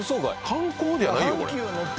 観光じゃないよこれ。